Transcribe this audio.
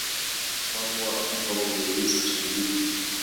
而厄瓜多尔共和国也因此成立。